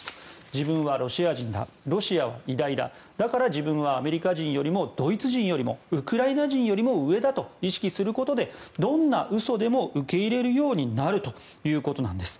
自分はロシア人だロシアは偉大だだから自分はアメリカ人よりもドイツ人よりもウクライナ人よりも上だと意識することで、どんな嘘でも受け入れるようになるということなんです。